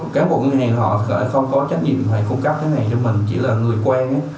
cán bộ ngân hàng họ không có trách nhiệm phải cung cấp thế này cho mình chỉ là người quen